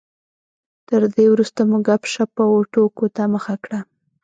تر دې وروسته مو ګپ شپ او ټوکو ته مخه کړه.